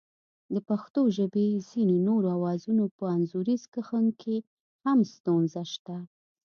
د پښتو ژبې ځینو نورو آوازونو په انځوریز کښنګ کې هم ستونزه شته